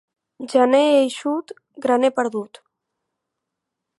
Gener eixut, graner perdut.